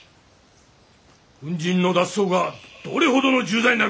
軍人の脱走がどれほどの重罪になるか。